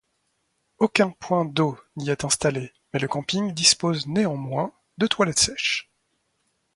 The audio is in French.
Aucun point d'eau n'y est installé mais le camping dispose néanmoins de toilettes sèches.